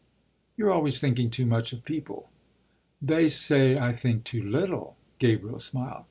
"You're always thinking too much of 'people.'" "They say I think too little," Gabriel smiled.